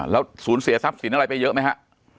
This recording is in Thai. แล้วสูญเสียทรัพย์สินอะไรไปเยอะไหมฮะ